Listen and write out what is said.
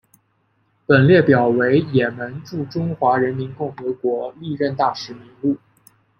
本列表为也门驻中华人民共和国历任大使名录。